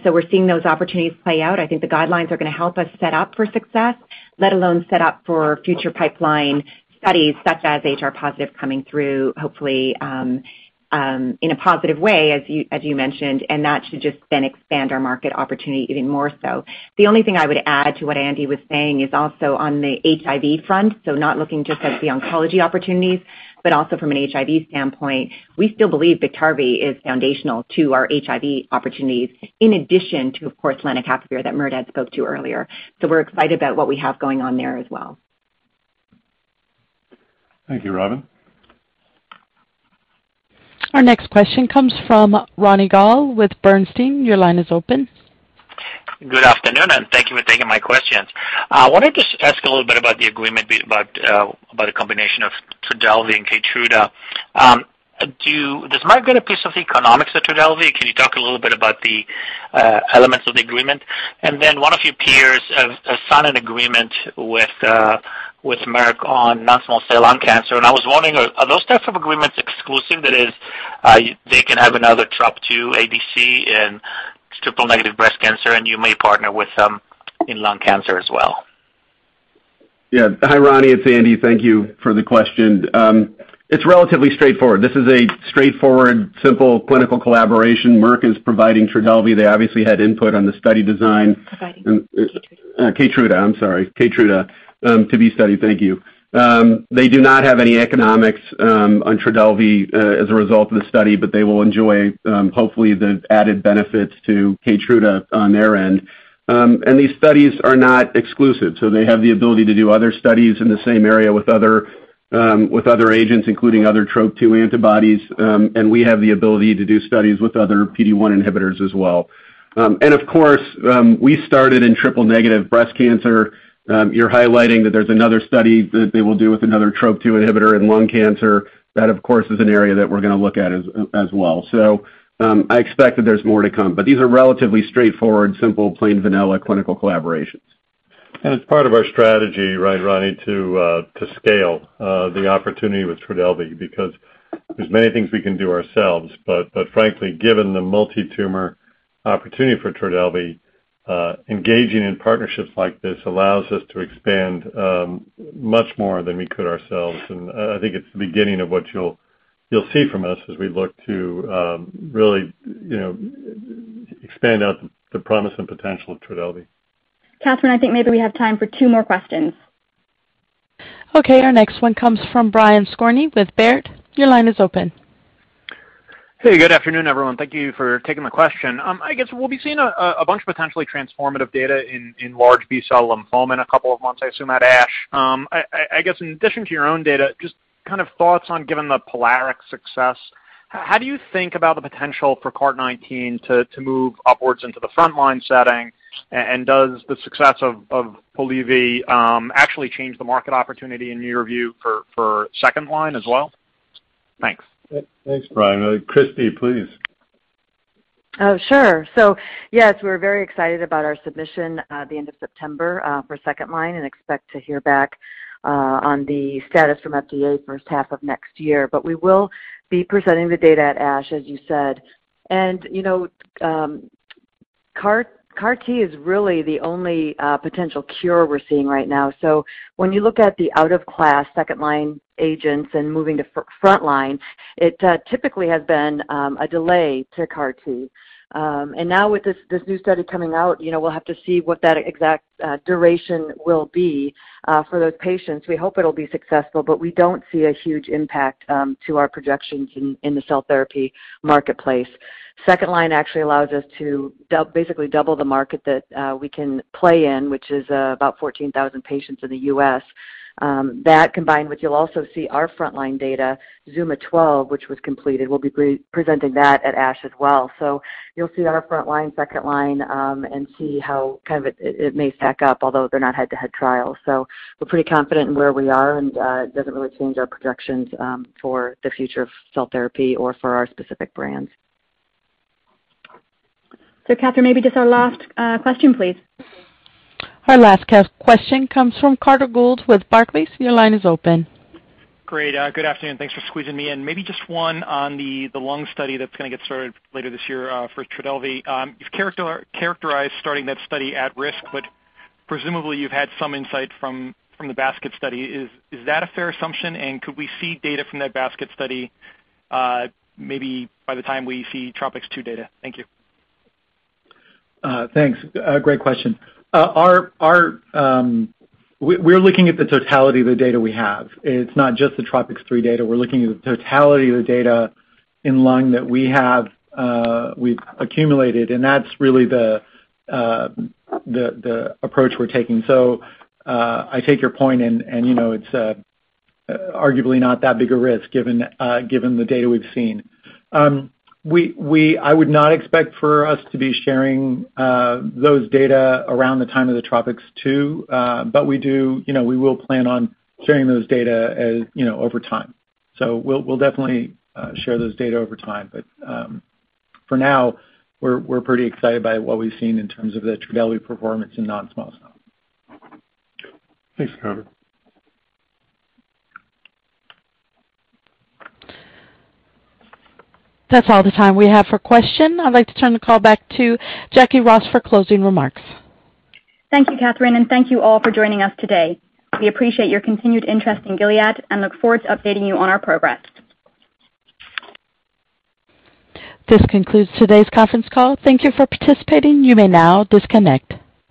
We're seeing those opportunities play out. I think the guidelines are gonna help us set up for success, let alone set up for future pipeline studies such as HR-positive coming through, hopefully, in a positive way, as you mentioned, and that should just then expand our market opportunity even more so. The only thing I would add to what Andy was saying is also on the HIV front, so not looking just at the oncology opportunities, but also from an HIV standpoint. We still believe Biktarvy is foundational to our HIV opportunities, in addition to, of course, lenacapavir that Merdad spoke to earlier. We're excited about what we have going on there as well. Thank you, Robyn. Our next question comes from Ronny Gal with Bernstein. Your line is open. Good afternoon and thank you for taking my questions. I wanted to just ask a little bit about the agreement about a combination of Trodelvy and KEYTRUDA. Does Merck get a piece of economics at Trodelvy? Can you talk a little bit about the elements of the agreement? Then one of your peers have signed an agreement with Merck on non-small cell lung cancer. I was wondering, are those types of agreements exclusive? That is, they can have another Trop-2 ADC in triple negative breast cancer, and you may partner with them in lung cancer as well. Yeah. Hi, Ronny. It's Andy. Thank you for the question. It's relatively straightforward. This is a straightforward, simple clinical collaboration. Merck is providing Trodelvy. They obviously had input on the study design. Providing Keytruda. Keytruda, I'm sorry. Keytruda to be studied. Thank you. They do not have any economics on Trodelvy as a result of the study, but they will enjoy hopefully the added benefits to KEYTRUDA on their end. These studies are not exclusive, so they have the ability to do other studies in the same area with other agents, including other Trop-2 antibodies. We have the ability to do studies with other PD-1 inhibitors as well. Of course, we started in triple negative breast cancer. You're highlighting that there's another study that they will do with another Trop-2 inhibitor in lung cancer. That, of course, is an area that we're gonna look at as well. I expect that there's more to come, but these are relatively straightforward, simple, plain vanilla clinical collaborations. It's part of our strategy, right, Ronny, to scale the opportunity with Trodelvy because there's many things we can do ourselves. Frankly, given the multi-tumor opportunity for Trodelvy, engaging in partnerships like this allows us to expand much more than we could ourselves. I think it's the beginning of what you'll see from us as we look to really, you know, expand out the promise and potential of Trodelvy. Catherine, I think maybe we have time for two more questions. Okay. Our next one comes from Brian Skorney with Baird. Your line is open. Hey, good afternoon, everyone. Thank you for taking the question. I guess we'll be seeing a bunch of potentially transformative data in large B-cell lymphoma in a couple of months, I assume at ASH. I guess in addition to your own data, just kind of thoughts on given the POLARIX success, how do you think about the potential for CART19 to move upwards into the frontline setting? And does the success of Polivy actually change the market opportunity in your view for second-line as well? Thanks. Thanks, Brian. Christi, please. Oh, sure. Yes, we're very excited about our submission at the end of September for second line and expect to hear back on the status from FDA first half of next year. We will be presenting the data at ASH, as you said. You know, CAR T is really the only potential cure we're seeing right now. When you look at the out of class second line agents and moving to front line, it typically has been a delay to CAR T. Now with this new study coming out, you know, we'll have to see what that exact duration will be for those patients. We hope it'll be successful, but we don't see a huge impact to our projections in the cell therapy marketplace. Second line actually allows us to basically double the market that we can play in, which is about 14,000 patients in the U.S. That combined with you'll also see our frontline data, ZUMA-12, which was completed. We'll be pre-presenting that at ASH as well. You'll see our front line, second line, and see how kind of it may stack up, although they're not head-to-head trials. We're pretty confident in where we are, and it doesn't really change our projections for the future of cell therapy or for our specific brands. Catherine, maybe just our last question, please. Our last question comes from Carter Gould with Barclays. Your line is open. Great. Good afternoon. Thanks for squeezing me in. Maybe just one on the lung study that's gonna get started later this year for Trodelvy. You've characterized starting that study at risk, but presumably you've had some insight from the basket study. Is that a fair assumption, and could we see data from that basket study maybe by the time we see TROPiCS-02 data? Thank you. Thanks. Great question. We're looking at the totality of the data we have. It's not just the TROPiCS-03 data. We're looking at the totality of the data in lung that we have, we've accumulated, and that's really the approach we're taking. I take your point and, you know, it's arguably not that big a risk given the data we've seen. I would not expect for us to be sharing those data around the time of the TROPiCS-02, but we do. You know, we will plan on sharing those data as you know, over time. We'll definitely share those data over time. For now, we're pretty excited by what we've seen in terms of the Trodelvy performance in non-small cell. Thanks, Carter. That's all the time we have for questions. I'd like to turn the call back to Jacquie Ross for closing remarks. Thank you, Catherine, and thank you all for joining us today. We appreciate your continued interest in Gilead and look forward to updating you on our progress. This concludes today's conference call. Thank you for participating. You may now disconnect.